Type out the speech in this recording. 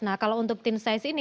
nah kalau untuk tim size ini